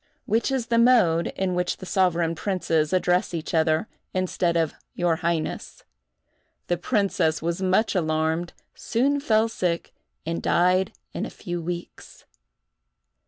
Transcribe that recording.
which is the mode in which the sovereign princes address each other, instead of "your highness." The princess was much alarmed, soon fell sick, and died in a few weeks.